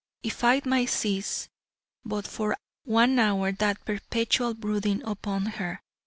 If I might cease but for one hour that perpetual brooding upon her!